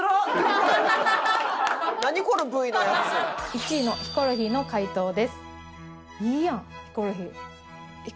１位のヒコロヒーの回答です。